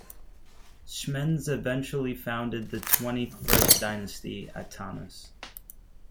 Smendes eventually founded the Twenty-First dynasty at Tanis.